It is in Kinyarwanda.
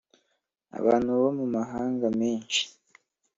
Abantu bo mu mahanga menshi